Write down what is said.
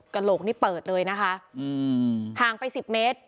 กระโหลกนี่เปิดเลยนะคะห่างไปสิบเมตร